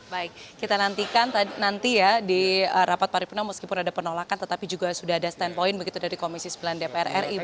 baik kita nantikan nanti ya di rapat paripurna meskipun ada penolakan tetapi juga sudah ada standpoint begitu dari komisi sembilan dpr ri